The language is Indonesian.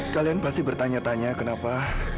kalian pasti bertanya tanya kenapa